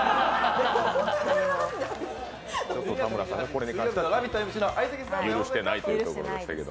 田村さん、これに関しては許してないということでしたけど。